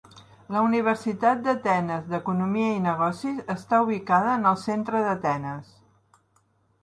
La Universitat d'Atenes d'Economia i Negocis està ubicada en el centre d'Atenes.